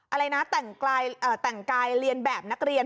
อะไรนะแต่งกายเรียนแบบนักเรียน